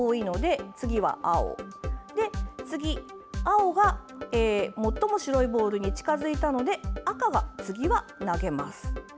そして次は青が最も白いボールに近づいたので赤が次に投げます。